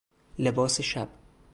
لباس شب